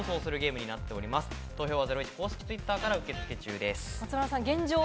今日はゼロイチ公式Ｔｗｉｔｔｅｒから受付中です。